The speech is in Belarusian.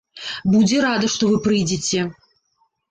Будзе рада, што вы прыйдзеце.